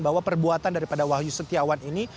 bahwa perbuatan daripada wahyu setiawan ini